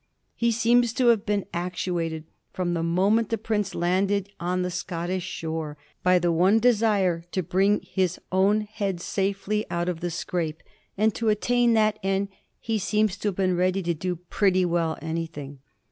He seems to have been actuated, from the mo ment that the prince landed on the Scottish shore, by the! one desire to bring his own head safely out of the scrape, and to attain that end he seems to have been ready to do pretty well anything.